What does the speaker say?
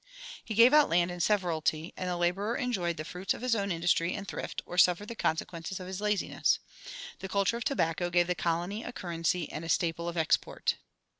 He gave out land in severalty, and the laborer enjoyed the fruits of his own industry and thrift, or suffered the consequences of his laziness. The culture of tobacco gave the colony a currency and a staple of export.